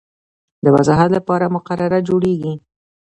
د وضاحت لپاره مقرره جوړیږي.